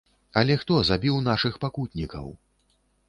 Але хто забіў нашых пакутнікаў?